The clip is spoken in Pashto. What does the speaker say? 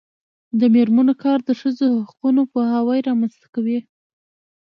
د میرمنو کار د ښځو حقونو پوهاوی رامنځته کوي.